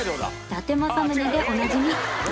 伊達政宗でおなじみ宮城県